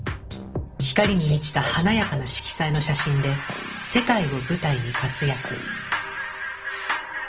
光に満ちた華やかな色彩の写真で世界を舞台に活躍。